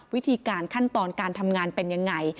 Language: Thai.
วิธีการขั้นตอนการทำงานเป็นยังไง